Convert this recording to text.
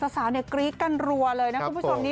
สาวกรี๊ดกันรัวเลยนะคุณผู้ชมนี้